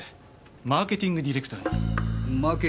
マーケティングディレクター？